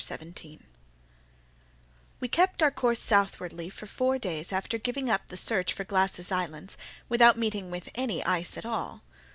CHAPTER 17 We kept our course southwardly for four days after giving up the search for Glass's islands, without meeting with any ice at all.